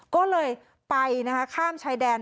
ก็เลยไปนะคะข้ามชายแดน